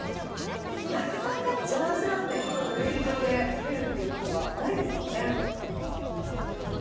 なかなかジャージャー麺をお弁当で食べるっていうことはないですよね。